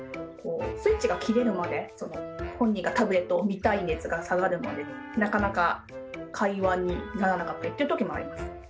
スイッチが切れるまで本人がタブレットを見たい熱が下がるまでなかなか会話にならなかったりっていう時もあります。